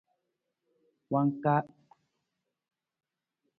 Wangkaa.